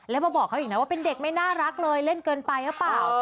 แล้วมาบอกเขาอีกนะว่าเป็นเด็กไม่น่ารักเลยเล่นเกินไปหรือเปล่า